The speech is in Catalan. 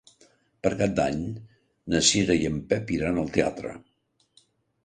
Per Cap d'Any na Cira i en Pep iran al teatre.